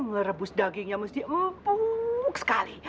merebus dagingnya mesti empuk sekali